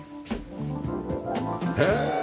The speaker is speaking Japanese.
へえ！